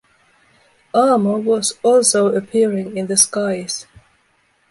Armor was also appearing in the skies.